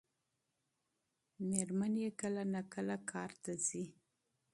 مېرمن یې کله ناکله کار ته ځي.